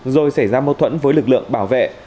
rồi xảy ra mâu thuẫn với lực lượng bảo vệ